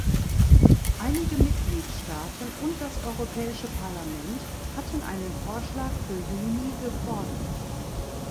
Einige Mitgliedstaaten und das Europäische Parlament hatten einen Vorschlag für Juni gefordert.